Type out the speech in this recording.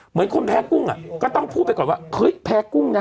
เหมือนคนแพ้กุ้งก็ต้องพูดไปก่อนว่าเฮ้ยแพ้กุ้งนะ